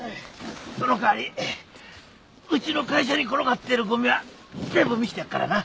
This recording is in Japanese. そのかわりうちの会社に転がってるゴミは全部見せてやるからな。